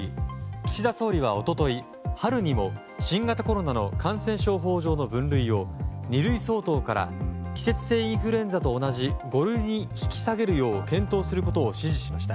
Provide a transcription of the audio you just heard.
岸田総理は一昨日、春にも新型コロナの感染症法上の分類を二類相当から季節性インフルエンザと同じ五類に引き下げるよう検討することを指示しました。